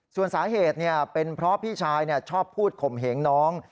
ส่วนสาเหตุเป็นเพราะพี่ชายชอบพูดข่มเหงน้อง